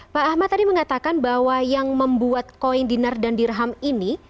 pak ahmad tadi mengatakan bahwa yang membuat koin dinar dan dirham ini